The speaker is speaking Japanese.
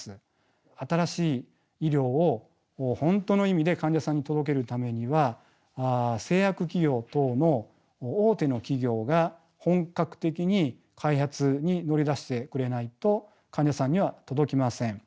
新しい医療を本当の意味で患者さんに届けるためには製薬企業等の大手の企業が本格的に開発に乗り出してくれないと患者さんには届きません。